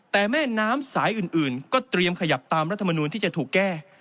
แต่แม่น้ำสายอื่นก็เตรียมขยับตามรัฐมนูลที่จะถูกแก้